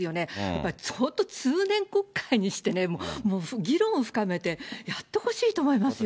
やっぱり、ちょっと通年国会にしてね、議論を深めてやってほしいと思います